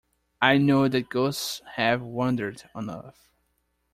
I know that ghosts have wandered on earth.